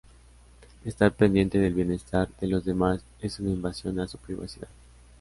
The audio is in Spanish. Estar pendiente del bienestar de los demás es una invasión a su privacidad.